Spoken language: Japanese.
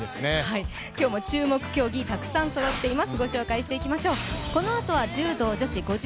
今日も注目競技たくさんそろっています。